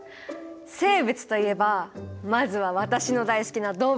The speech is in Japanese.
生物といえばまずは私の大好きな動物！